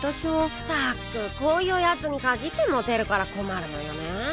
ったくこういうヤツに限ってモテるから困るのよね。